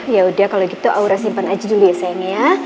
yaudah kalau gitu aura simpan aja dulu ya sayangnya ya